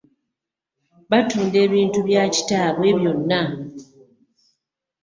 Batunda ebintu bya kitaabwe byonna.